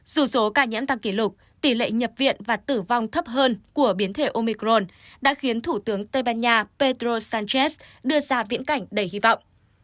dù số ca nhiễm tăng kỷ lục tỷ lệ nhập viện và tử vong thấp hơn của biến thể omicron đã khiến thủ tướng tây ban nha pedro sánchez đưa ra viễn cảnh đầy hy vọng